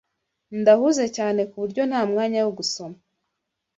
Ndahuze cyane kuburyo ntamwanya wo gusoma.